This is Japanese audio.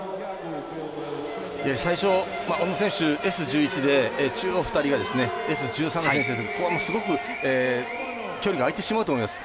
最初、小野選手がＳ１１で中央２人がＳ１３なので距離が開いてしまうと思います。